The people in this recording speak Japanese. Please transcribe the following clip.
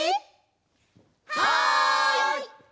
はい！